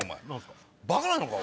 バカなのか？